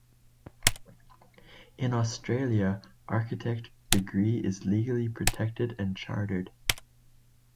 In Australia, Architect degree is legally protected and chartered.